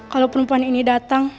kalau perempuan ini datang